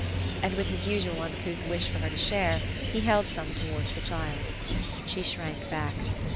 And, with his usual uncouth wish for her to share, he held some towards the child. She shrank back.